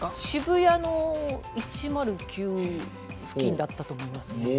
渋谷の１０９の付近だったと思います。